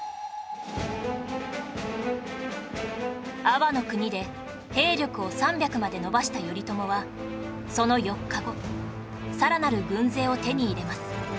安房国で兵力を３００まで伸ばした頼朝はその４日後さらなる軍勢を手に入れます